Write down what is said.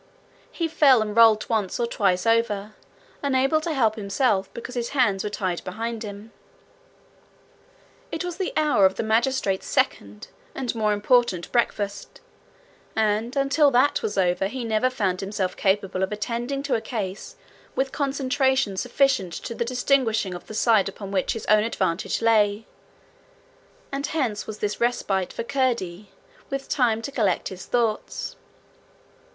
He fell, and rolled once or twice over, unable to help himself because his hands were tied behind him. It was the hour of the magistrate's second and more important breakfast, and until that was over he never found himself capable of attending to a case with concentration sufficient to the distinguishing of the side upon which his own advantage lay; and hence was this respite for Curdie, with time to collect his thoughts.